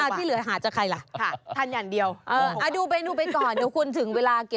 อันที่เหลือหาจากใครล่ะทานอย่างเดียวเออดูเมนูไปก่อนเดี๋ยวคุณถึงเวลากิบตังให้ได้